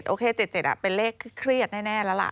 โอเค๗๗เป็นเลขที่เครียดแน่แล้วล่ะ